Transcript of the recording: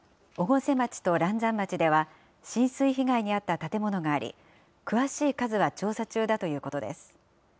越生町と嵐山町では、浸水被害に遭った建物があり、詳しい数は調査中だということです。